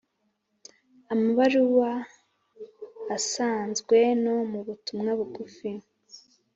amabaruwa asanzwe no mubutumwa bugufi.